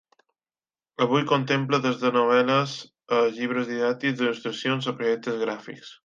Avui contempla des de novel·les a llibres didàctics, d'il·lustracions, a projectes gràfics.